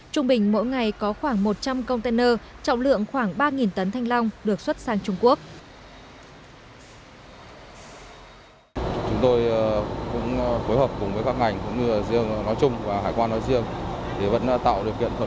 trung bình mỗi ngày có khoảng một trăm linh container trọng lượng khoảng ba tấn thanh long được xuất sang trung quốc